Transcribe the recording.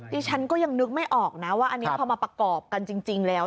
ดิฉันก็ยังนึกไม่ออกนะว่าอันนี้พอมาประกอบกันจริงแล้ว